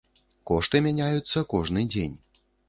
Кошты мяняюцца кожны дзень.